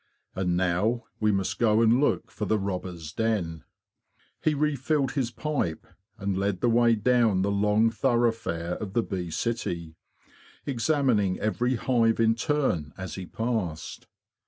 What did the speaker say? And now we must go and look for the robbers' den."' He refilled his pipe, and led the way down the long thoroughfare of the bee city, examining every hive in turn as he passed.